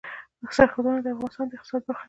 سرحدونه د افغانستان د اقتصاد برخه ده.